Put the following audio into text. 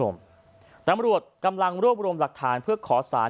ตำรวจกำลังรวบรวมหลักฐานเพื่อขอสาร